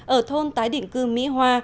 ở thôn tái định cư mỹ hoa